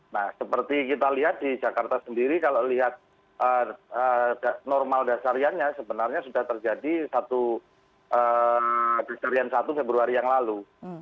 nah seperti kita lihat di jakarta sendiri kalau lihat normal dasariannya sebenarnya sudah terjadi satu dasarian satu februari yang lalu